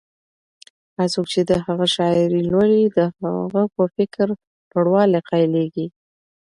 هر څوک چې د هغه شاعري لولي، د هغه په فکري لوړوالي قایلېږي.